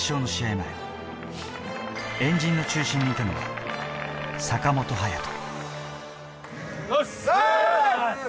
前、円陣の中心にいたのは坂本勇人。